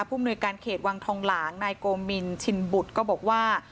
มนุยการเขตวังทองหลางนายโกมินชินบุตรก็บอกว่า